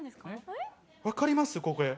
分かります、これ？